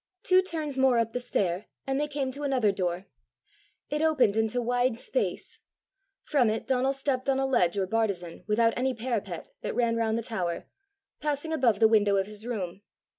Two turns more up the stair, and they came to another door. It opened into wide space: from it Donal stepped on a ledge or bartizan, without any parapet, that ran round the tower, passing above the window of his room.